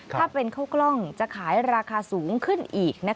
ถ้าเป็นข้าวกล้องจะขายราคาสูงขึ้นอีก